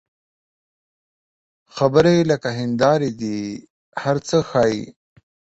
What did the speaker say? خبرې لکه هنداره دي، هر څه ښيي